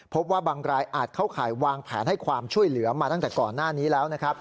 พบว่าบางรายอาจเข้าข่ายวางแผนให้ความช่วยเหลือมาตั้งแต่ก่อนหน้านี้แล้วนะครับ